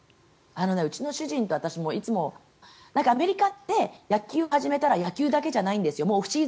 うちの主人と私もいつもアメリカって野球を始めたら野球だけじゃないんですよ。